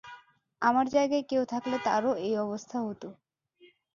আমার জায়গায় কেউ থাকলে তারও এই অবস্থা হতো।